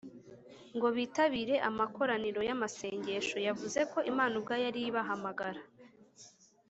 ngo bitabire amakoraniro y’amasengesho. yavuze ko imana ubwayo ariyo ibahamagara.